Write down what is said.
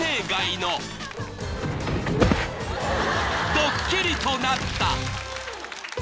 ［ドッキリとなった］